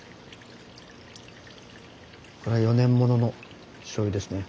これが４年もののしょうゆですね。